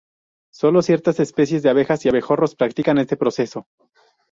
Sólo ciertas especies de abejas y abejorros practican este proceso.